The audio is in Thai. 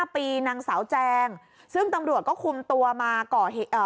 ปีนางสาวแจงซึ่งตำรวจก็คุมตัวมาก่อเหตุเอ่อ